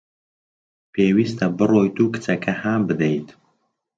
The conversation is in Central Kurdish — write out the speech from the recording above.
پێویستە بڕۆیت و کچەکە هان بدەیت.